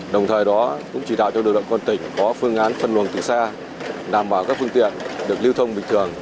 đồng thời đó cũng chỉ đạo cho lực lượng quân tỉnh có phương án phân luồng từ xa đảm bảo các phương tiện được lưu thông bình thường